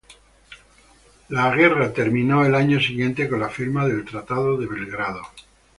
La guerra terminó el año siguiente con la firma del Tratado de Belgrado.